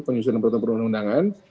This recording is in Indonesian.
penyusunan pertama perundangan